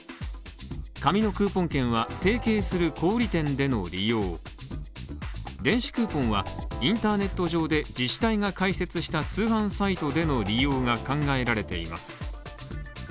紙のクーポン券は、提携する小売店での利用、電子クーポンはインターネット上で自治体が開設した通販サイトでの利用が考えられています。